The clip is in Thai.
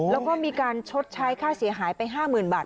แล้วก็มีการชดใช้ค่าเสียหายไป๕๐๐๐บาท